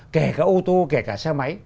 kể cả ô tô kể cả xe máy